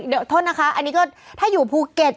เดี๋ยวโทษนะคะอันนี้ก็ถ้าอยู่ภูเก็ต